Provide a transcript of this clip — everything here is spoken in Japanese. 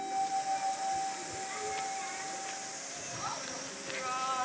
こんにちは。